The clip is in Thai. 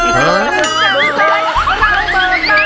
นกกาโบยบิน